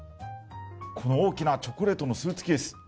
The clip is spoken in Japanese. この大きなチョコレートのスーツケース。